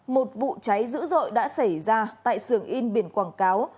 một bụi cháy dữ dội đã xảy ra tại sường yên biển quảng cáo